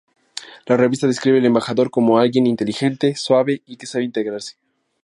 La revista describe al Embajador como alguien "inteligente, suave y que sabe integrarse".